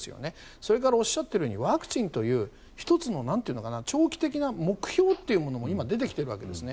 それからおっしゃっているようにワクチンという１つの長期的な目標というものも今、出てきているわけですね。